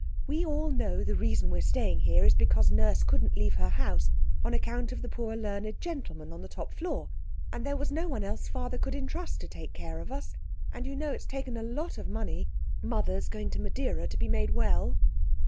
We all know the reason we're staying here is because Nurse couldn't leave her house on account of the poor learned gentleman on the top floor. And there was no one else Father could entrust to take care of us—and you know it's taken a lot of money, Mother's going to Madeira to be made well."